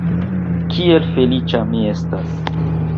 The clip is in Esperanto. Kiel feliĉa mi estas!